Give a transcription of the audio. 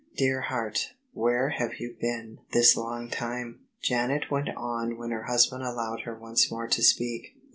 " "Dear heart, where have you been this long time?" Janet went on when her husband allowed her once more to speak.